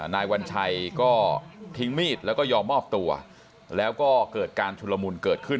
นายวัญชัยก็ทิ้งมีดแล้วก็ยอมมอบตัวแล้วก็เกิดการชุลมุนเกิดขึ้น